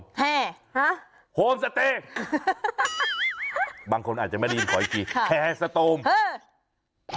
แห่ฮะโฮมสะเตะบางคนอาจจะไม่ได้ยินพออีกกี่แห่สโตมเฮ้อ